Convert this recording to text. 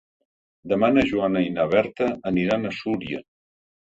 Demà na Joana i na Berta aniran a Súria.